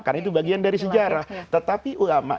karena itu bagian dari sejarah tetapi ulama'